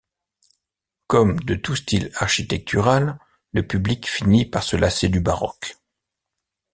Comme de tout style architectural, le public finit par se lasser du baroque.